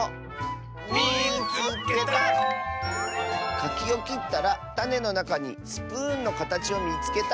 「かきをきったらたねのなかにスプーンのかたちをみつけた！」。